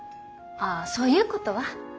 あそういうことは。